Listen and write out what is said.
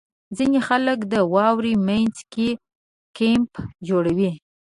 • ځینې خلک د واورې مینځ کې کیمپ جوړوي.